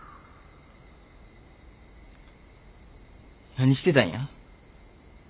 何してたんや？